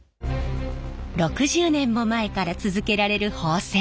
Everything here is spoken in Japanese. ６０年も前から続けられる縫製。